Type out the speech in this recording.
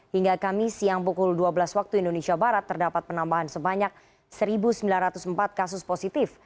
hingga kamis siang pukul dua belas waktu indonesia barat terdapat penambahan sebanyak satu sembilan ratus empat kasus positif